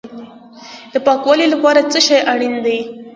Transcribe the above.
د پاکوالي لپاره څه شی اړین دی؟